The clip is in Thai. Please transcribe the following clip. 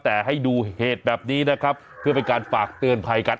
แต่ให้ดูเหตุแบบนี้นะครับเพื่อเป็นการฝากเตือนภัยกัน